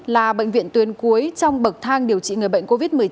là bệnh viện tuyến cuối trong bậc thang điều trị người bệnh covid một mươi chín